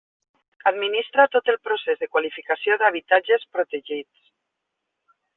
Administra tot el procés de qualificació d'habitatges protegits.